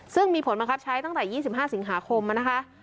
ซึ่งมีผลบังคับใช้ตั้งแต่๒๕สิงหาคมนะคะ